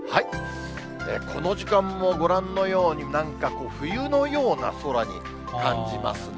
この時間もご覧のように、なんか冬のような空に感じますね。